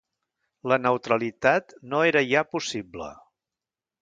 La neutralitat no era ja possible.